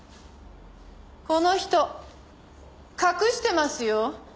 この人隠してますよ。